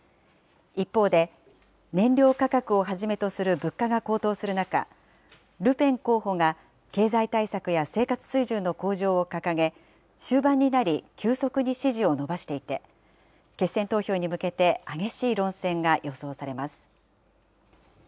一方で、燃料価格をはじめとする物価が高騰する中、ルペン候補が経済対策や生活水準の向上を掲げ、終盤になり、急速に支持を伸ばしていて、決選投票に向けて激しい論戦が予想されます。